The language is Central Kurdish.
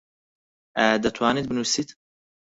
ئایا دەتوانیت بنووسیت؟